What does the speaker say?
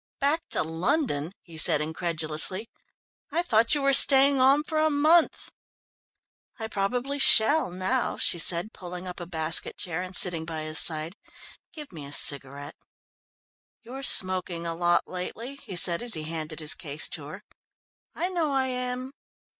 "Back to London?" he said incredulously. "I thought you were staying on for a month." "I probably shall now," she said, pulling up a basket chair and sitting by his side. "Give me a cigarette." "You're smoking a lot lately," he said as he handed his case to her. "I know I am."